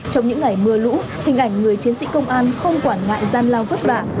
trong những ngày mưa lũ hình ảnh người chiến sĩ công an không quản ngại gian lao vất vả